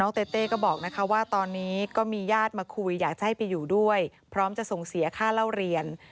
เต้เต้ก็บอกนะคะว่าตอนนี้ก็มีญาติมาคุยอยากจะให้ไปอยู่ด้วยพร้อมจะส่งเสียค่าเล่าเรียน